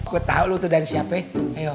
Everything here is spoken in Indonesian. gue tahu lo tuh dari siapa ya